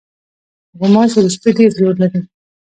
غوماشې د شپې ډېر زور لري.